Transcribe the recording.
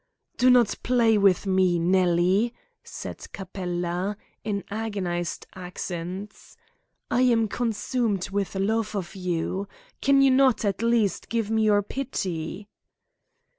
"Do not play with me, Nellie," said Capella, in agonised accents. "I am consumed with love of you. Can you not, at least, give me your pity?"